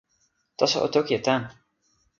taso o toki e tan.